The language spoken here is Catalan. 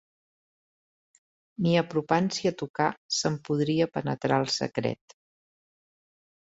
Ni apropant-s'hi a tocar, se'n podria penetrar el secret